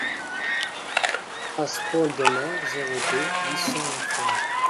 Place Paul Doumer, zéro deux, huit cents La Fère